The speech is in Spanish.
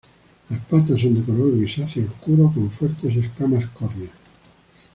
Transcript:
Las patas son de color grisáceo oscuro con fuertes escamas córneas.